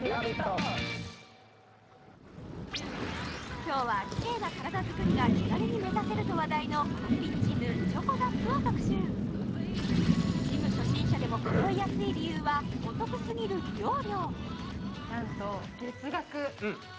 今日はキレイな体づくりが気軽に目指せると話題のコンビニジムｃｈｏｃｏＺＡＰを特集ジム初心者でも通いやすい理由はお得すぎる利用料